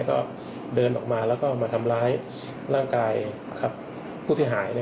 ก็เดินออกมาแล้วก็มาทำร้ายร่างกายผู้เสียหาย